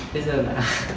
bây giờ là